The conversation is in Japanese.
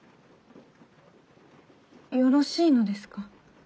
よろしいのですか？